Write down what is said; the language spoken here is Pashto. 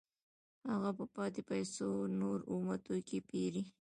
هغه په پاتې پیسو نور اومه توکي پېري